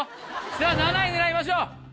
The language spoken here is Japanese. さぁ７位狙いましょう。